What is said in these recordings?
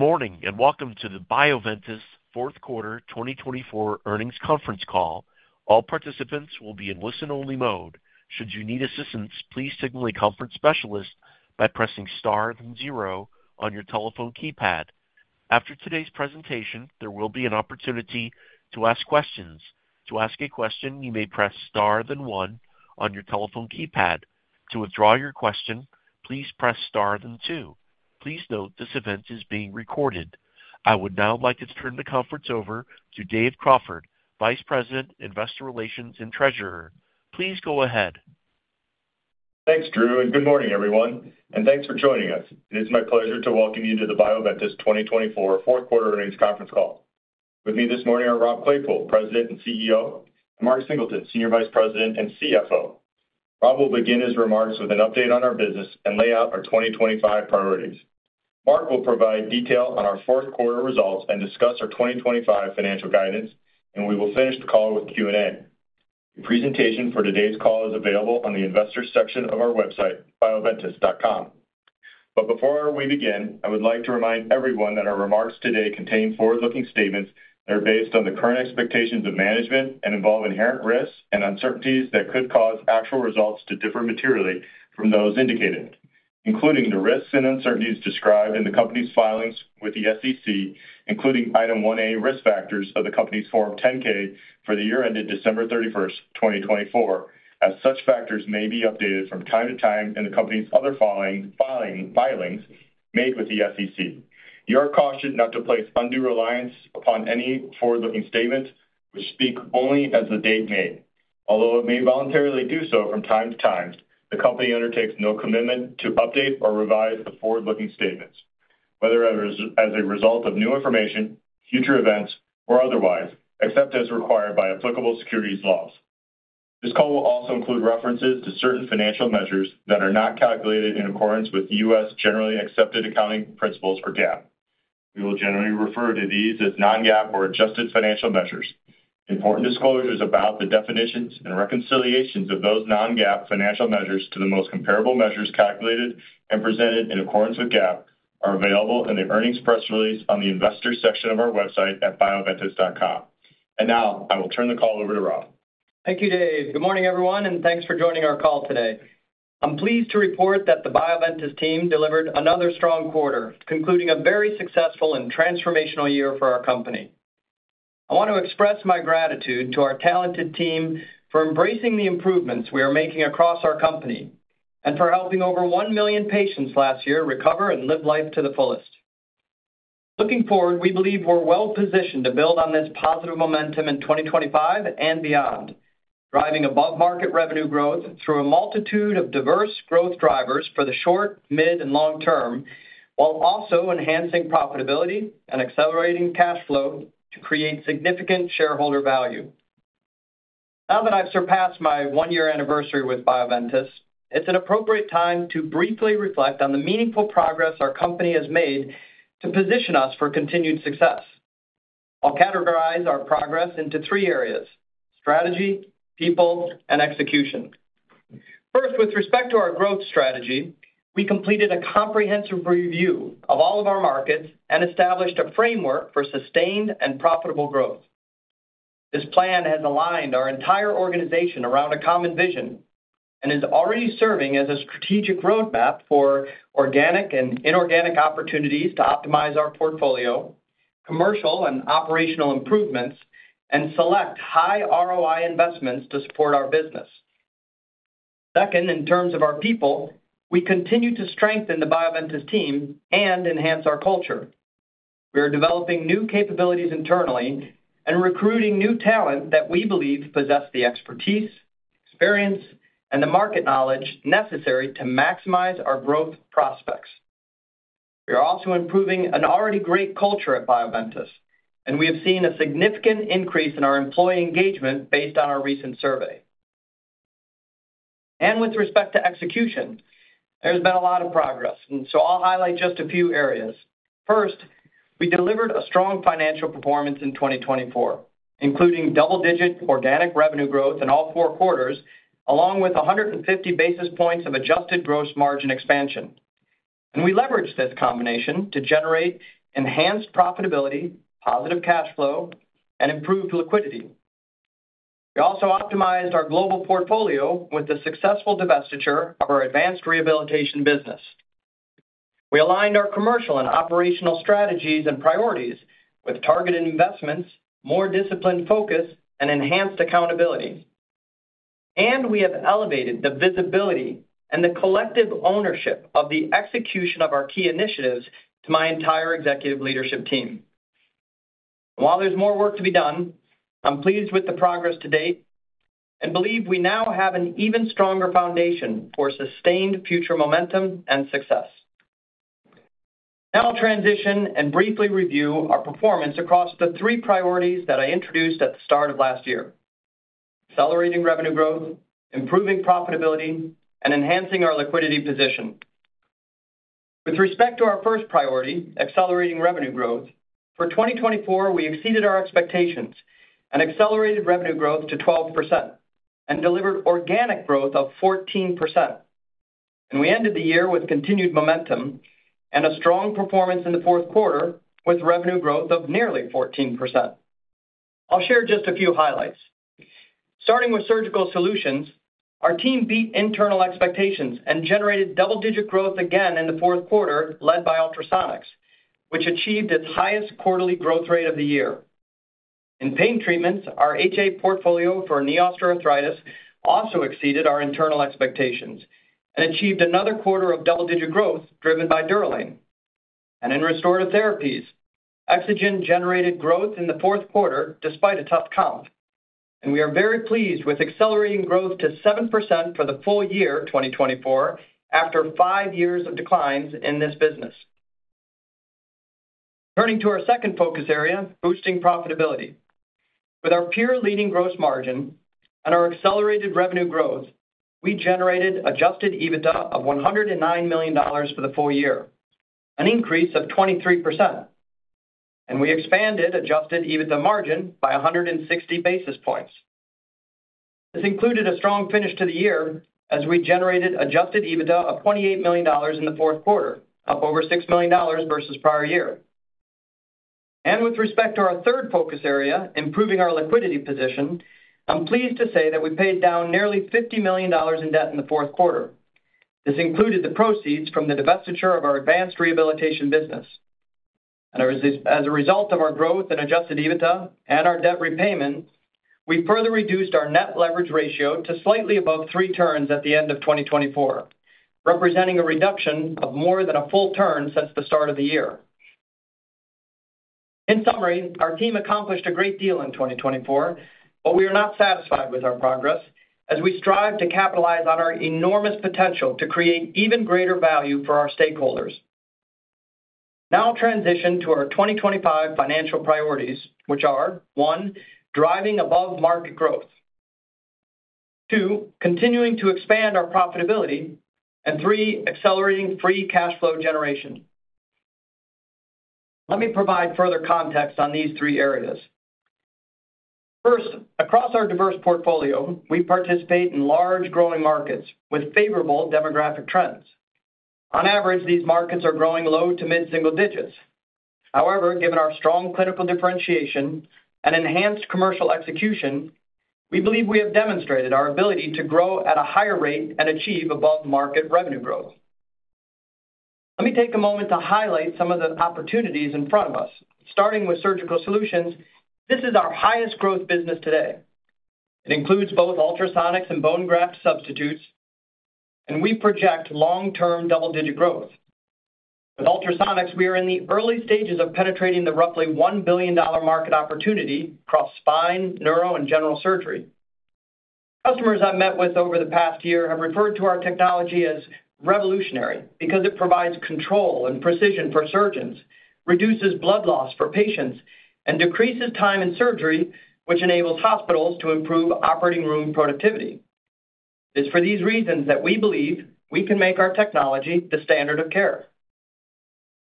Morning and welcome to the Bioventus Fourth Quarter 2024 Earnings Conference Call. All participants will be in listen-only mode. Should you need assistance, please signal a conference specialist by pressing star then zero on your telephone keypad. After today's presentation, there will be an opportunity to ask questions. To ask a question, you may press star then one on your telephone keypad. To withdraw your question, please press star then two. Please note this event is being recorded. I would now like to turn the conference over to Dave Crawford, Vice President, Investor Relations and Treasurer. Please go ahead. Thanks, Drew, and good morning, everyone, and thanks for joining us. It is my pleasure to welcome you to the Bioventus 2024 Fourth Quarter Earnings Conference Call. With me this morning are Rob Claypoole, President and CEO, and Mark Singleton, Senior Vice President and CFO. Rob will begin his remarks with an update on our business and lay out our 2025 priorities. Mark will provide detail on our fourth quarter results and discuss our 2025 financial guidance, and we will finish the call with Q&A. The presentation for today's call is available on the Investor section of our website, bioventus.com. Before we begin, I would like to remind everyone that our remarks today contain forward-looking statements that are based on the current expectations of management and involve inherent risks and uncertainties that could cause actual results to differ materially from those indicated, including the risks and uncertainties described in the company's filings with the SEC, including Item 1A Risk Factors of the company's Form 10-K for the year ended December 31, 2024, as such factors may be updated from time to time in the company's other filings made with the SEC. You are cautioned not to place undue reliance upon any forward-looking statements, which speak only as of the date made. Although it may voluntarily do so from time to time, the company undertakes no commitment to update or revise the forward-looking statements, whether as a result of new information, future events, or otherwise, except as required by applicable securities laws. This call will also include references to certain financial measures that are not calculated in accordance with U.S. generally accepted accounting principles or GAAP. We will generally refer to these as non-GAAP or adjusted financial measures. Important disclosures about the definitions and reconciliations of those non-GAAP financial measures to the most comparable measures calculated and presented in accordance with GAAP are available in the earnings press release on the Investor section of our website at bioventus.com. I will now turn the call over to Rob. Thank you, Dave. Good morning, everyone, and thanks for joining our call today. I'm pleased to report that the Bioventus team delivered another strong quarter, concluding a very successful and transformational year for our company. I want to express my gratitude to our talented team for embracing the improvements we are making across our company and for helping over 1 million patients last year recover and live life to the fullest. Looking forward, we believe we're well positioned to build on this positive momentum in 2025 and beyond, driving above-market revenue growth through a multitude of diverse growth drivers for the short, mid, and long term, while also enhancing profitability and accelerating cash flow to create significant shareholder value. Now that I've surpassed my one-year anniversary with Bioventus, it's an appropriate time to briefly reflect on the meaningful progress our company has made to position us for continued success. I'll categorize our progress into three areas: strategy, people, and execution. First, with respect to our growth strategy, we completed a comprehensive review of all of our markets and established a framework for sustained and profitable growth. This plan has aligned our entire organization around a common vision and is already serving as a strategic roadmap for organic and inorganic opportunities to optimize our portfolio, commercial and operational improvements, and select high ROI investments to support our business. Second, in terms of our people, we continue to strengthen the Bioventus team and enhance our culture. We are developing new capabilities internally and recruiting new talent that we believe possess the expertise, experience, and the market knowledge necessary to maximize our growth prospects. We are also improving an already great culture at Bioventus, and we have seen a significant increase in our employee engagement based on our recent survey. With respect to execution, there has been a lot of progress, and I will highlight just a few areas. First, we delivered a strong financial performance in 2024, including double-digit organic revenue growth in all four quarters, along with 150 basis points of adjusted gross margin expansion. We leveraged this combination to generate enhanced profitability, positive cash flow, and improved liquidity. We also optimized our global portfolio with the successful divestiture of our Advanced Rehabilitation business. We aligned our commercial and operational strategies and priorities with targeted investments, more disciplined focus, and enhanced accountability. We have elevated the visibility and the collective ownership of the execution of our key initiatives to my entire executive leadership team. While there is more work to be done, I am pleased with the progress to date and believe we now have an even stronger foundation for sustained future momentum and success. Now I'll transition and briefly review our performance across the three priorities that I introduced at the start of last year: accelerating revenue growth, improving profitability, and enhancing our liquidity position. With respect to our first priority, accelerating revenue growth, for 2024, we exceeded our expectations and accelerated revenue growth to 12% and delivered organic growth of 14%. We ended the year with continued momentum and a strong performance in the 4th Quarter with revenue growth of nearly 14%. I'll share just a few highlights. Starting with Surgical Solutions, our team beat internal expectations and generated double-digit growth again in the 4th Quarter led by ultrasonics, which achieved its highest quarterly growth rate of the year. In Pain Treatments, our HA portfolio for knee osteoarthritis also exceeded our internal expectations and achieved another quarter of double-digit growth driven by Durolane. In Restorative Therapies, EXOGEN generated growth in the fourth quarter despite a tough comp. We are very pleased with accelerating growth to 7% for the full year 2024 after five years of declines in this business. Turning to our second focus area, boosting profitability. With our peer-leading gross margin and our accelerated revenue growth, we generated Adjusted EBITDA of $109 million for the full year, an increase of 23%. We expanded Adjusted EBITDA margin by 160 basis points. This included a strong finish to the year as we generated Adjusted EBITDA of $28 million in the fourth quarter, up over $6 million versus prior year. With respect to our third focus area, improving our liquidity position, I'm pleased to say that we paid down nearly $50 million in debt in the fourth quarter. This included the proceeds from the divestiture of our Advanced Rehabilitation business. As a result of our growth in Adjusted EBITDA and our debt repayment, we further reduced our net leverage ratio to slightly above three turns at the end of 2024, representing a reduction of more than a full turn since the start of the year. In summary, our team accomplished a great deal in 2024, but we are not satisfied with our progress as we strive to capitalize on our enormous potential to create even greater value for our stakeholders. Now I'll transition to our 2025 financial priorities, which are, one, driving above-market growth; two, continuing to expand our profitability; and three, accelerating free cash flow generation. Let me provide further context on these three areas. First, across our diverse portfolio, we participate in large growing markets with favorable demographic trends. On average, these markets are growing low to mid-single digits. However, given our strong clinical differentiation and enhanced commercial execution, we believe we have demonstrated our ability to grow at a higher rate and achieve above-market revenue growth. Let me take a moment to highlight some of the opportunities in front of us. Starting with Surgical Solutions, this is our highest growth business today. It includes both ultrasonics and bone graft substitutes, and we project long-term double-digit growth. With ultrasonics, we are in the early stages of penetrating the roughly $1 billion market opportunity across spine, neuro, and general surgery. Customers I've met with over the past year have referred to our technology as revolutionary because it provides control and precision for surgeons, reduces blood loss for patients, and decreases time in surgery, which enables hospitals to improve operating room productivity. It's for these reasons that we believe we can make our technology the standard of care.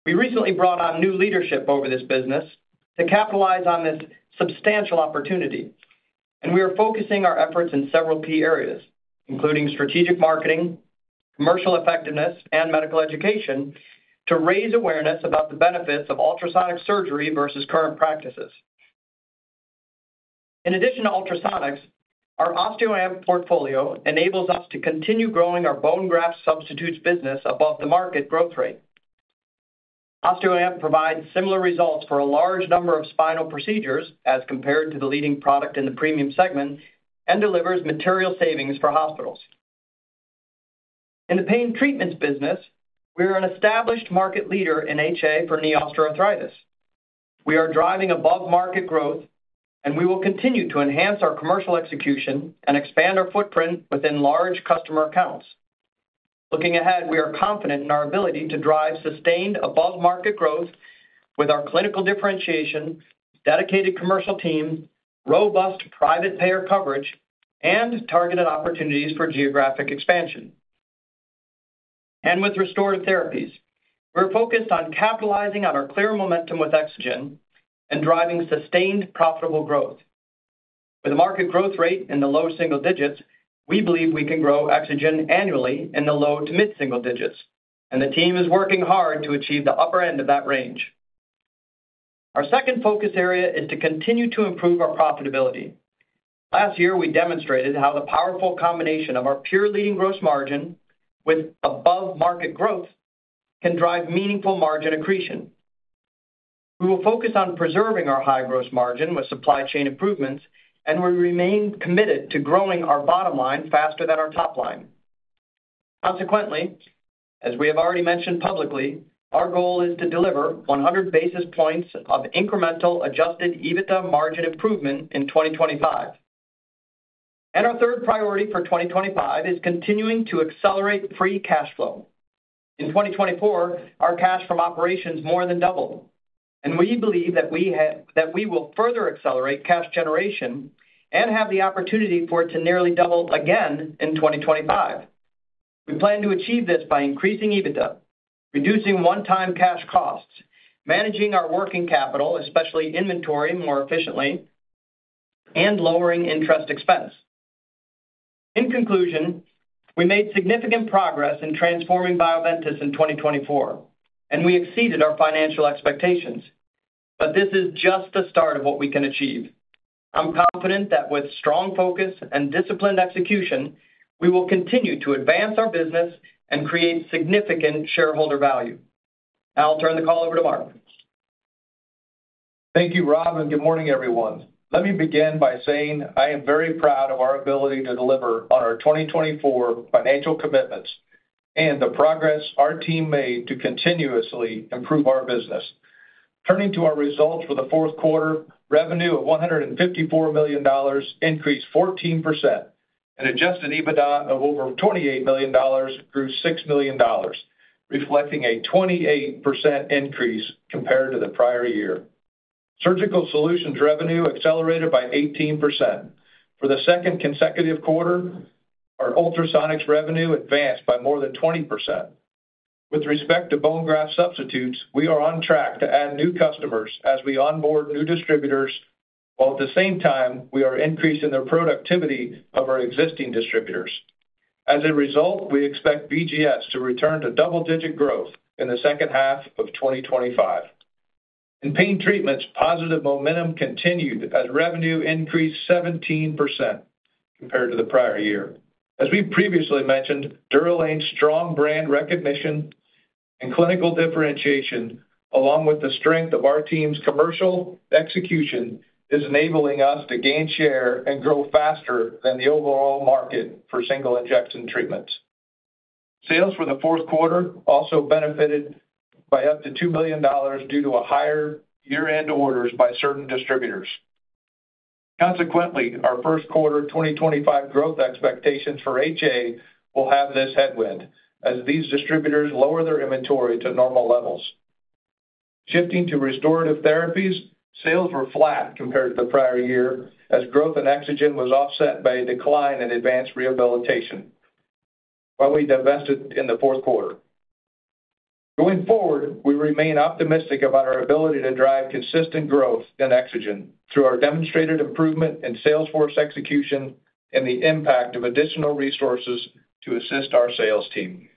We recently brought on new leadership over this business to capitalize on this substantial opportunity, and we are focusing our efforts in several key areas, including strategic marketing, commercial effectiveness, and medical education, to raise awareness about the benefits of ultrasonic surgery versus current practices. In addition to ultrasonics, our OSTEOAMP portfolio enables us to continue growing our bone graft substitutes business above the market growth rate. OSTEOAMP provides similar results for a large number of spinal procedures as compared to the leading product in the premium segment and delivers material savings for hospitals. In the Pain Treatments business, we are an established market leader in HA for knee osteoarthritis. We are driving above-market growth, and we will continue to enhance our commercial execution and expand our footprint within large customer accounts. Looking ahead, we are confident in our ability to drive sustained above-market growth with our clinical differentiation, dedicated commercial team, robust private payer coverage, and targeted opportunities for geographic expansion. With Restorative Therapies, we're focused on capitalizing on our clear momentum with EXOGEN and driving sustained profitable growth. With a market growth rate in the low single digits, we believe we can grow EXOGEN annually in the low to mid-single digits, and the team is working hard to achieve the upper end of that range. Our second focus area is to continue to improve our profitability. Last year, we demonstrated how the powerful combination of our peer-leading gross margin with above-market growth can drive meaningful margin accretion. We will focus on preserving our high gross margin with supply chain improvements, and we remain committed to growing our bottom line faster than our top line. Consequently, as we have already mentioned publicly, our goal is to deliver 100 basis points of incremental Adjusted EBITDA margin improvement in 2025. Our third priority for 2025 is continuing to accelerate free cash flow. In 2024, our cash from operations more than doubled, and we believe that we will further accelerate cash generation and have the opportunity for it to nearly double again in 2025. We plan to achieve this by increasing EBITDA, reducing one-time cash costs, managing our working capital, especially inventory, more efficiently, and lowering interest expense. In conclusion, we made significant progress in transforming Bioventus in 2024, and we exceeded our financial expectations, but this is just the start of what we can achieve. I'm confident that with strong focus and disciplined execution, we will continue to advance our business and create significant shareholder value. Now I'll turn the call over to Mark. Thank you, Rob, and good morning, everyone. Let me begin by saying I am very proud of our ability to deliver on our 2024 financial commitments and the progress our team made to continuously improve our business. Turning to our results for the fourth quarter, revenue of $154 million increased 14%, and Adjusted EBITDA of over $28 million grew $6 million, reflecting a 28% increase compared to the prior year. Surgical Solutions revenue accelerated by 18%. For the second consecutive quarter, our ultrasonics revenue advanced by more than 20%. With respect to bone graft substitutes, we are on track to add new customers as we onboard new distributors, while at the same time, we are increasing the productivity of our existing distributors. As a result, we expect BGS to return to double-digit growth in the second half of 2025. In Pain Treatments, positive momentum continued as revenue increased 17% compared to the prior year. As we previously mentioned, Durolane's strong brand recognition and clinical differentiation, along with the strength of our team's commercial execution, is enabling us to gain share and grow faster than the overall market for single injection treatments. Sales for the fourth quarter also benefited by up to $2 million due to higher year-end orders by certain distributors. Consequently, our first quarter 2025 growth expectations for HA will have this headwind as these distributors lower their inventory to normal levels. Shifting to Restorative Therapies, sales were flat compared to the prior year as growth in EXOGEN was offset by a decline in Advanced Rehabilitation while we divested in the fourth quarter. Going forward, we remain optimistic about our ability to drive consistent growth in EXOGEN through our demonstrated improvement in sales force execution and the impact of additional resources to assist our sales team.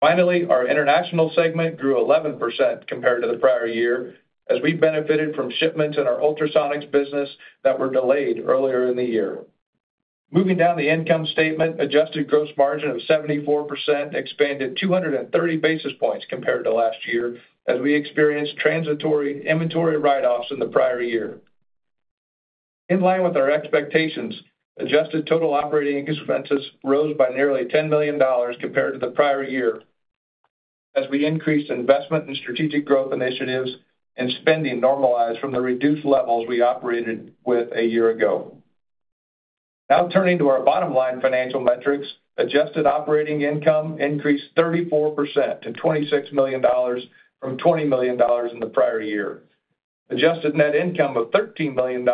Finally, our international segment grew 11% compared to the prior year as we benefited from shipments in our ultrasonics business that were delayed earlier in the year. Moving down the income statement, adjusted gross margin of 74% expanded 230 basis points compared to last year as we experienced transitory inventory write-offs in the prior year. In line with our expectations, adjusted total operating expenses rose by nearly $10 million compared to the prior year as we increased investment in strategic growth initiatives, and spending normalized from the reduced levels we operated with a year ago. Now turning to our bottom line financial metrics, adjusted operating income increased 34% to $26 million from $20 million in the prior year. Adjusted net income of $13 million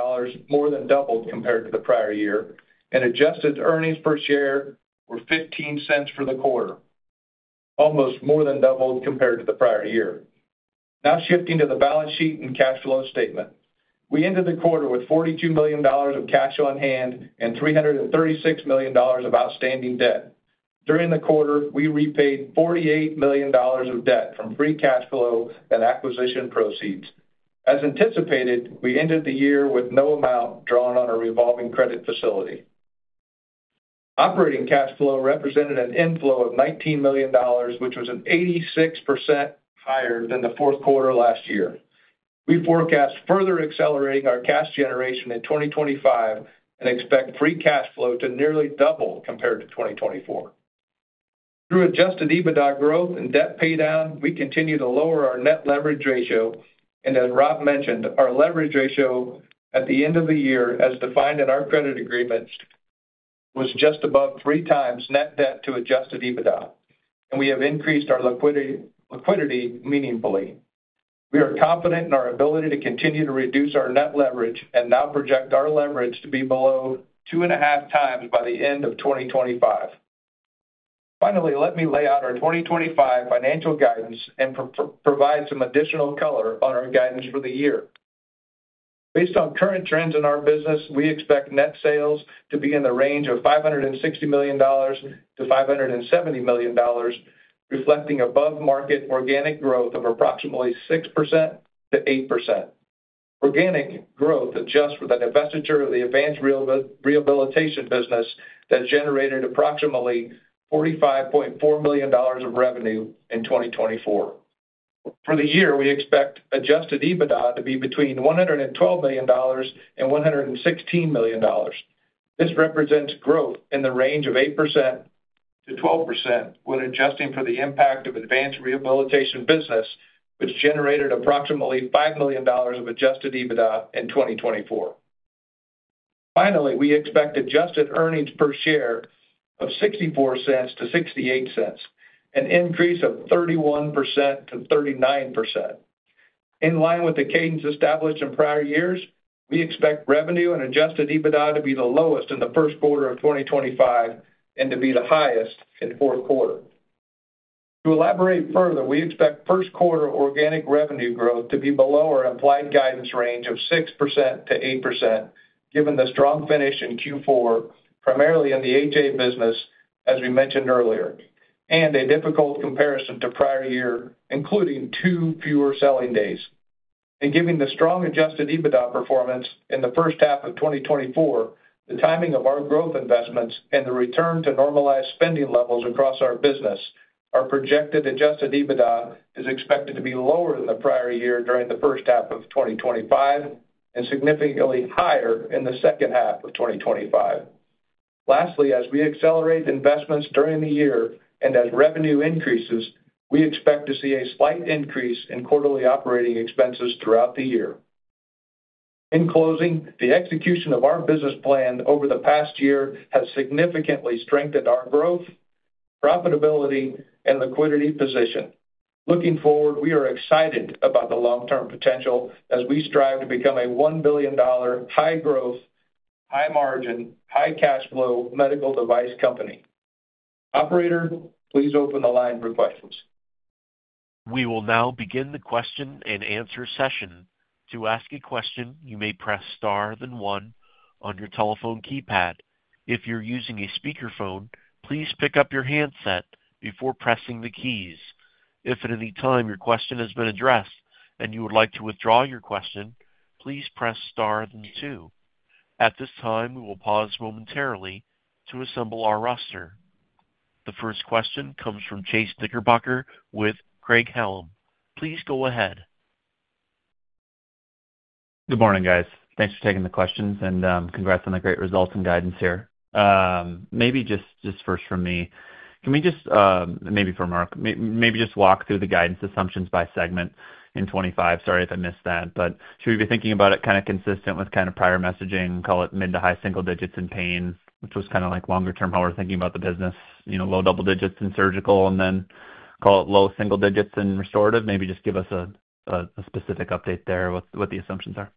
more than doubled compared to the prior year, and adjusted earnings per share were $0.15 for the quarter, almost more than doubled compared to the prior year. Now shifting to the balance sheet and cash flow statement. We ended the quarter with $42 million of cash on hand and $336 million of outstanding debt. During the quarter, we repaid $48 million of debt from free cash flow and acquisition proceeds. As anticipated, we ended the year with no amount drawn on our revolving credit facility. Operating cash flow represented an inflow of $19 million, which was 86% higher than the fourth quarter last year. We forecast further accelerating our cash generation in 2025 and expect free cash flow to nearly double compared to 2024. Through Adjusted EBITDA growth and debt paydown, we continue to lower our net leverage ratio. As Rob mentioned, our leverage ratio at the end of the year, as defined in our credit agreements, was just above three times net debt to Adjusted EBITDA, and we have increased our liquidity meaningfully. We are confident in our ability to continue to reduce our net leverage and now project our leverage to be below two and a half times by the end of 2025. Finally, let me lay out our 2025 financial guidance and provide some additional color on our guidance for the year. Based on current trends in our business, we expect net sales to be in the range of $560 million-$570 million, reflecting above-market organic growth of approximately 6%-8%. Organic growth adjusts with a divestiture of the Advanced Rehabilitation business that generated approximately $45.4 million of revenue in 2024. For the year, we expect Adjusted EBITDA to be between $112 million and $116 million. This represents growth in the range of 8%-12% when adjusting for the impact of Advanced Rehabilitation business, which generated approximately $5 million of Adjusted EBITDA in 2024. Finally, we expect Adjusted Earnings Per Share of $0.64-$0.68, an increase of 31%-39%. In line with the cadence established in prior years, we expect revenue and Adjusted EBITDA to be the lowest in the first quarter of 2025 and to be the highest in fourth quarter. To elaborate further, we expect first quarter organic revenue growth to be below our implied guidance range of 6%-8%, given the strong finish in Q4, primarily in the HA business, as we mentioned earlier, and a difficult comparison to prior year, including two fewer selling days. Given the strong Adjusted EBITDA performance in the first half of 2024, the timing of our growth investments and the return to normalized spending levels across our business, our projected Adjusted EBITDA is expected to be lower than the prior year during the first half of 2025 and significantly higher in the second half of 2025. Lastly, as we accelerate investments during the year and as revenue increases, we expect to see a slight increase in quarterly operating expenses throughout the year. In closing, the execution of our business plan over the past year has significantly strengthened our growth, profitability, and liquidity position. Looking forward, we are excited about the long-term potential as we strive to become a $1 billion high-growth, high-margin, high-cash-flow medical device company. Operator, please open the line for questions. We will now begin the question and answer session. To ask a question, you may press star then one on your telephone keypad. If you're using a speakerphone, please pick up your handset before pressing the keys. If at any time your question has been addressed and you would like to withdraw your question, please press star then two. At this time, we will pause momentarily to assemble our roster. The first question comes from Chase Knickerbocker with Craig-Hallum. Please go ahead. Good morning, guys. Thanks for taking the questions and congrats on the great results and guidance here. Maybe just first from me, can we just maybe for Mark, maybe just walk through the guidance assumptions by segment in 2025? Sorry if I missed that, but should we be thinking about it kind of consistent with kind of prior messaging, call it mid to high single digits in pain, which was kind of like longer term how we're thinking about the business, low double digits in surgical, and then call it low single digits in Restorative? Maybe just give us a specific update there with what the assumptions are.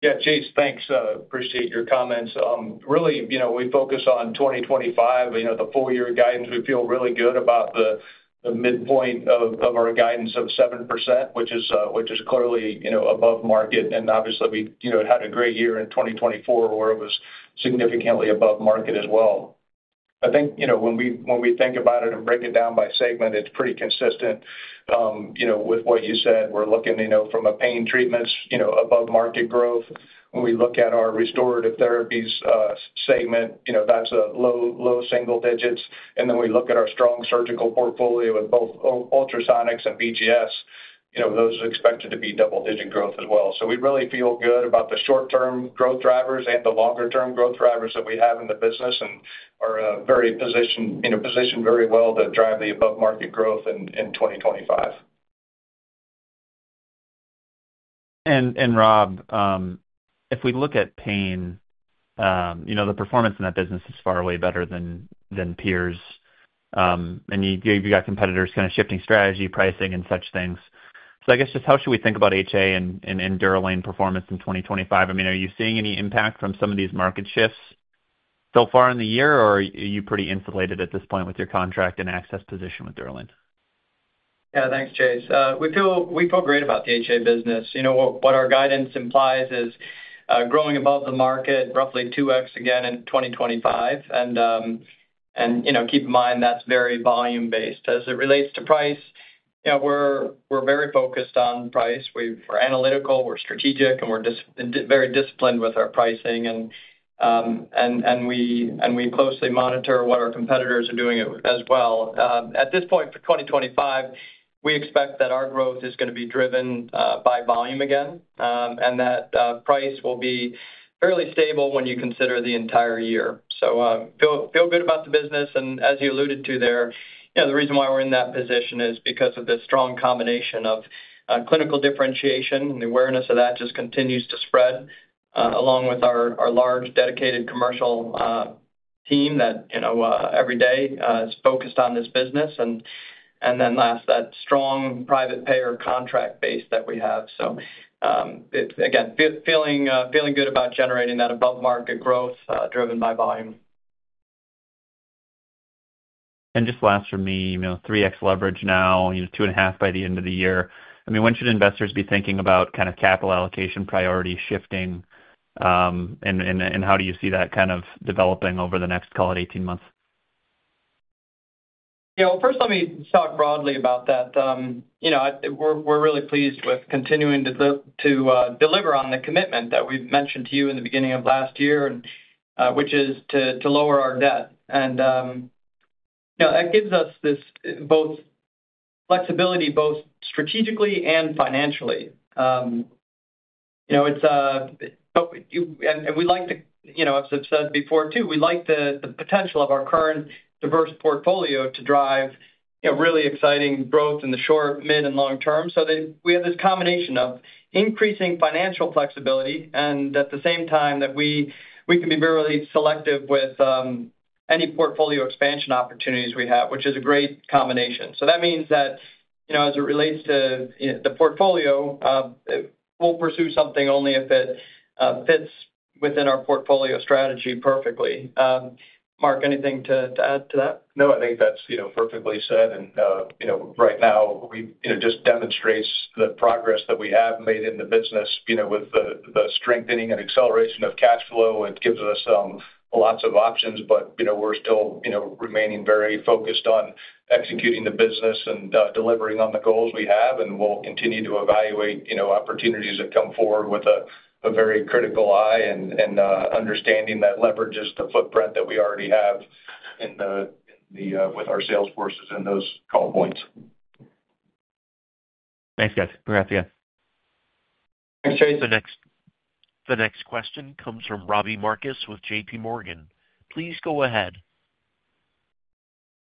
Yeah, Chase, thanks. Appreciate your comments. Really, we focus on 2025, the full year guidance. We feel really good about the midpoint of our guidance of 7%, which is clearly above market. Obviously, we had a great year in 2024 where it was significantly above market as well. I think when we think about it and break it down by segment, it's pretty consistent with what you said. We're looking from a Pain Treatments above market growth. When we look at our Restorative Therapies segment, that's a low single digits. Then we look at our strong surgical portfolio with both ultrasonics and BGS, those are expected to be double-digit growth as well. We really feel good about the short-term growth drivers and the longer-term growth drivers that we have in the business and are positioned very well to drive the above market growth in 2025. Rob, if we look at pain, the performance in that business is far way better than peers. And you've got competitors kind of shifting strategy, pricing, and such things. I guess just how should we think about HA and Durolane performance in 2025? I mean, are you seeing any impact from some of these market shifts so far in the year, or are you pretty insulated at this point with your contract and access position with Durolane? Yeah, thanks, Chase. We feel great about the HA business. What our guidance implies is growing above the market, roughly 2x again in 2025. Keep in mind, that's very volume-based. As it relates to price, we're very focused on price. We're analytical, we're strategic, and we're very disciplined with our pricing. We closely monitor what our competitors are doing as well. At this point for 2025, we expect that our growth is going to be driven by volume again and that price will be fairly stable when you consider the entire year. Feel good about the business. As you alluded to there, the reason why we're in that position is because of the strong combination of clinical differentiation and the awareness of that just continues to spread along with our large dedicated commercial team that every day is focused on this business. That strong private payer contract base that we have. Again, feeling good about generating that above market growth driven by volume. Just last from me, 3x leverage now, 2.5 by the end of the year. I mean, when should investors be thinking about kind of capital allocation priority shifting? How do you see that kind of developing over the next, call it, 18 months? Yeah, first, let me talk broadly about that. We're really pleased with continuing to deliver on the commitment that we've mentioned to you in the beginning of last year, which is to lower our debt. That gives us both flexibility, both strategically and financially. We like to, as I've said before too, we like the potential of our current diverse portfolio to drive really exciting growth in the short, mid, and long term. We have this combination of increasing financial flexibility and at the same time that we can be very selective with any portfolio expansion opportunities we have, which is a great combination. That means that as it relates to the portfolio, we'll pursue something only if it fits within our portfolio strategy perfectly. Mark, anything to add to that? No, I think that's perfectly said. Right now, it just demonstrates the progress that we have made in the business with the strengthening and acceleration of cash flow. It gives us lots of options, but we're still remaining very focused on executing the business and delivering on the goals we have. We'll continue to evaluate opportunities that come forward with a very critical eye and understanding that leverages the footprint that we already have with our sales forces in those call points. Thanks, guys. Congrats, guys. Thanks, Chase. The next question comes from Robbie Marcus with JPMorgan. Please go ahead.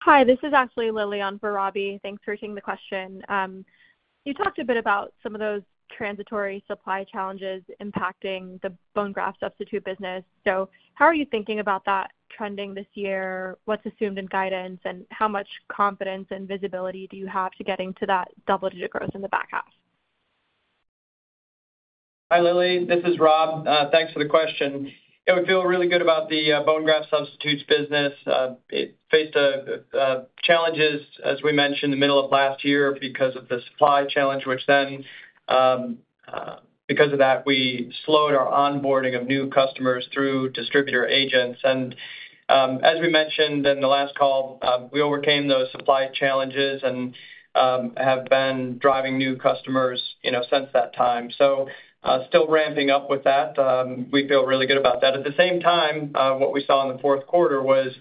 Hi, this is Ashley [Lillion] for Robbie. Thanks for taking the question. You talked a bit about some of those transitory supply challenges impacting the bone graft substitute business. How are you thinking about that trending this year? What's assumed in guidance, and how much confidence and visibility do you have to getting to that double-digit growth in the back half? Hi, Lilly. This is Rob. Thanks for the question. We feel really good about the bone graft substitutes business. It faced challenges, as we mentioned, in the middle of last year because of the supply challenge, which then, because of that, we slowed our onboarding of new customers through distributor agents. As we mentioned in the last call, we overcame those supply challenges and have been driving new customers since that time. Still ramping up with that, we feel really good about that. At the same time, what we saw in the fourth quarter was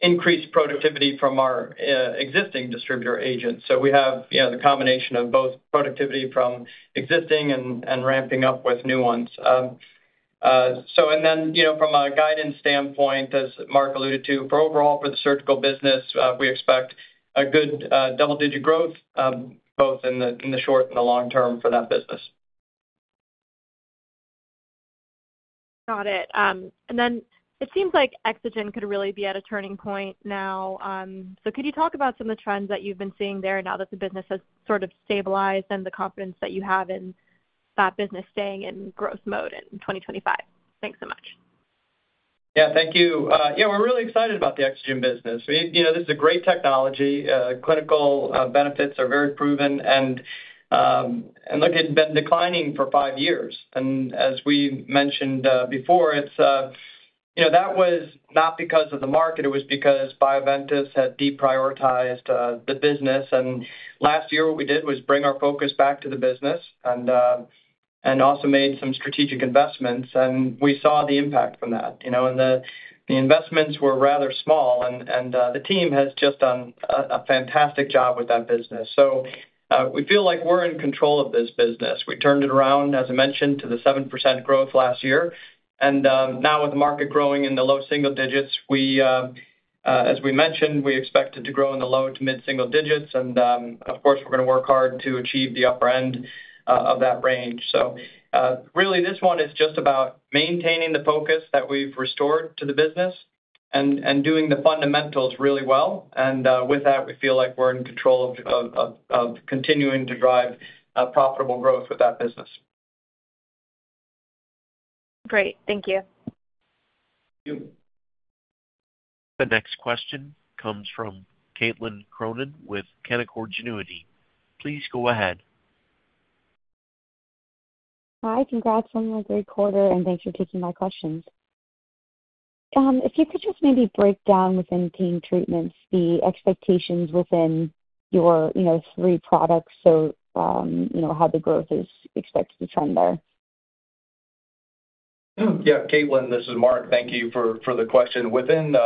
increased productivity from our existing distributor agents. We have the combination of both productivity from existing and ramping up with new ones. From a guidance standpoint, as Mark alluded to, for overall for the surgical business, we expect a good double-digit growth both in the short and the long term for that business. Got it. It seems like EXOGEN could really be at a turning point now. Could you talk about some of the trends that you've been seeing there now that the business has sort of stabilized and the confidence that you have in that business staying in growth mode in 2025? Thanks so much. Yeah, thank you. Yeah, we're really excited about the EXOGEN business. This is a great technology. Clinical benefits are very proven and look, it had been declining for five years. As we mentioned before, that was not because of the market. It was because Bioventus had deprioritized the business. Last year, what we did was bring our focus back to the business and also made some strategic investments. We saw the impact from that. The investments were rather small, and the team has just done a fantastic job with that business. We feel like we're in control of this business. We turned it around, as I mentioned, to the 7% growth last year. Now with the market growing in the low single digits, as we mentioned, we expect it to grow in the low to mid single digits. Of course, we're going to work hard to achieve the upper end of that range. Really, this one is just about maintaining the focus that we've restored to the business and doing the fundamentals really well. With that, we feel like we're in control of continuing to drive profitable growth with that business. Great. Thank you. Thank you. The next question comes from Caitlin Cronin with Canaccord Genuity. Please go ahead. Hi, congrats on the third quarter, and thanks for taking my questions. If you could just maybe break down within Pain Treatments the expectations within your three products, so how the growth is expected to trend there. Yeah, Caitlin, this is Mark. Thank you for the question. Within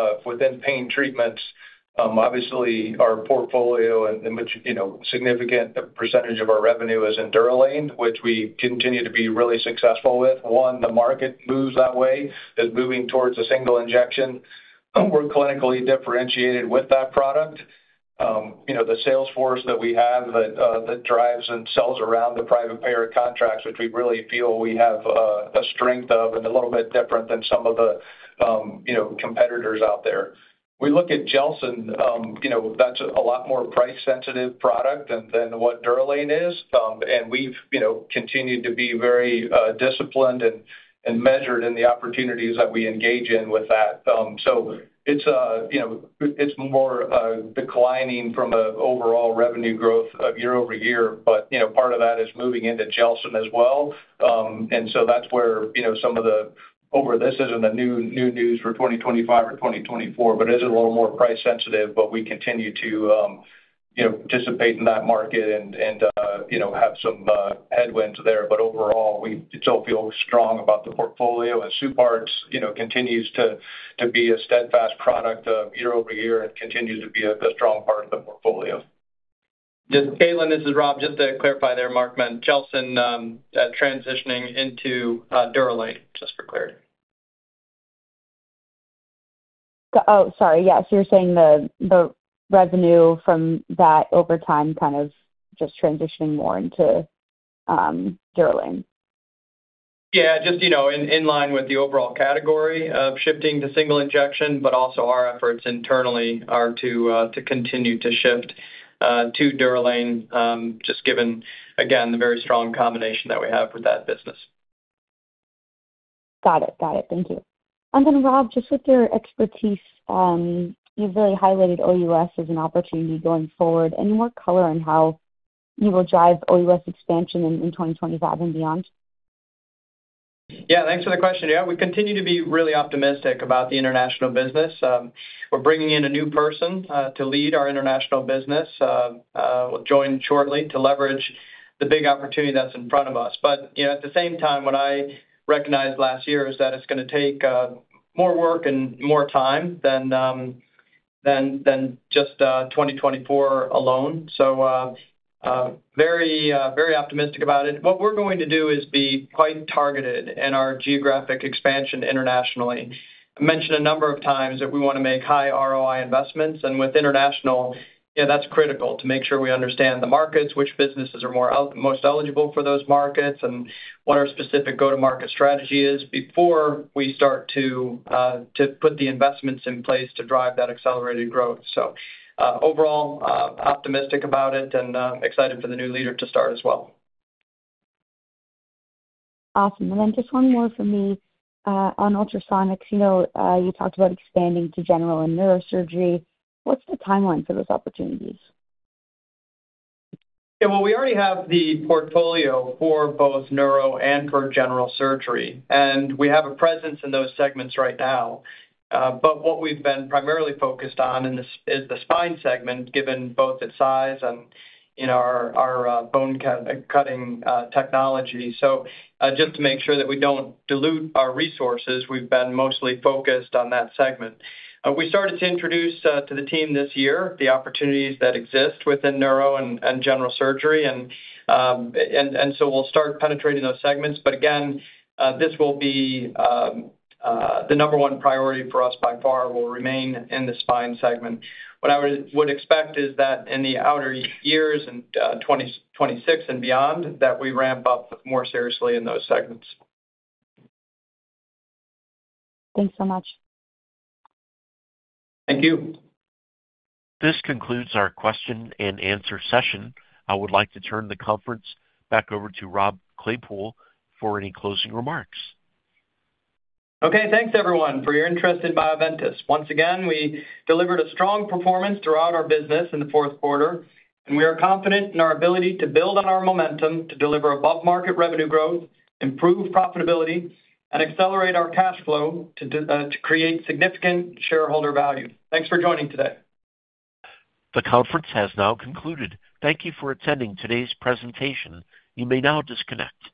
Pain Treatments, obviously, our portfolio in which a significant percentage of our revenue is in Durolane, which we continue to be really successful with. One, the market moves that way, is moving towards a single injection. We're clinically differentiated with that product. The sales force that we have that drives and sells around the private payer contracts, which we really feel we have a strength of and a little bit different than some of the competitors out there. We look at Gelsyn. That's a lot more price-sensitive product than what Durolane is. We've continued to be very disciplined and measured in the opportunities that we engage in with that. It's more declining from the overall revenue growth year over year, but part of that is moving into Gelsyn as well. That is where some of the—this is not the new news for 2025 or 2024, but it is a little more price-sensitive, but we continue to participate in that market and have some headwinds there. Overall, we still feel strong about the portfolio, and SUPARTZ continues to be a steadfast product year over year and continues to be a strong part of the portfolio. Just Caitlin, this is Rob. Just to clarify there, Mark meant Gelsyn transitioning into Durolane, just for clarity. Oh, sorry. Yes, you're saying the revenue from that over time kind of just transitioning more into Durolane. Yeah, just in line with the overall category of shifting to single injection, but also our efforts internally are to continue to shift to Durolane, just given, again, the very strong combination that we have with that business. Got it. Got it. Thank you. Rob, just with your expertise, you've really highlighted OUS as an opportunity going forward. What color and how you will drive OUS expansion in 2025 and beyond? Yeah, thanks for the question. Yeah, we continue to be really optimistic about the international business. We're bringing in a new person to lead our international business. We'll join shortly to leverage the big opportunity that's in front of us. At the same time, what I recognized last year is that it's going to take more work and more time than just 2024 alone. Very optimistic about it. What we're going to do is be quite targeted in our geographic expansion internationally. I mentioned a number of times that we want to make high ROI investments. With international, that's critical to make sure we understand the markets, which businesses are most eligible for those markets, and what our specific go-to-market strategy is before we start to put the investments in place to drive that accelerated growth. Overall, optimistic about it and excited for the new leader to start as well. Awesome. And then just one more for me. On ultrasonics, you talked about expanding to general and neurosurgery. What's the timeline for those opportunities? Yeah, we already have the portfolio for both neuro and for general surgery. We have a presence in those segments right now. What we've been primarily focused on is the spine segment, given both its size and our bone cutting technology. Just to make sure that we do not dilute our resources, we've been mostly focused on that segment. We started to introduce to the team this year the opportunities that exist within neuro and general surgery. We will start penetrating those segments. Again, this will be the number one priority for us by far. We will remain in the spine segment. What I would expect is that in the outer years and 2026 and beyond, we ramp up more seriously in those segments. Thanks so much. Thank you. This concludes our question and answer session. I would like to turn the conference back over to Rob Claypoole for any closing remarks. Okay, thanks everyone for your interest in Bioventus. Once again, we delivered a strong performance throughout our business in the fourth quarter. We are confident in our ability to build on our momentum to deliver above-market revenue growth, improve profitability, and accelerate our cash flow to create significant shareholder value. Thanks for joining today. The conference has now concluded. Thank you for attending today's presentation. You may now disconnect.